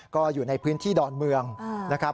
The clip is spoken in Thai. ก็อยู่ในพื้นที่ดอนเมืองนะครับ